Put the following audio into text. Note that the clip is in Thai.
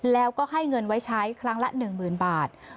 แล้วก็ให้เงินไว้ใช้ครั้งละ๑๐๐๐บาท